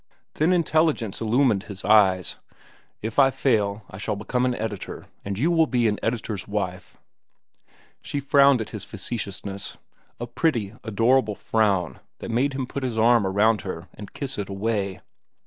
Then intelligence illumined his eyes. "If I fail, I shall become an editor, and you will be an editor's wife." She frowned at his facetiousness—a pretty, adorable frown that made him put his arm around her and kiss it away.